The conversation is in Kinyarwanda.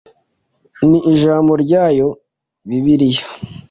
ni Ijambo ryayo Bibiliya